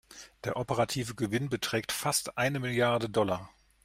Der operative Gewinn beträgt fast eine Milliarde Dollar.